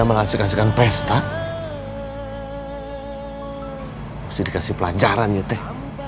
mesti dikasih pelajaran yuk teh